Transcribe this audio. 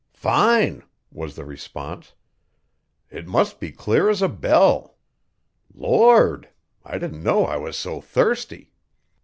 "Fine!" was the response. "It must be clear as a bell. Lord. I didn't know I was so thirsty!"